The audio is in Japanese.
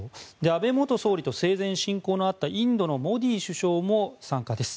安倍元総理と生前親交のあったインドのモディ首相も参加です。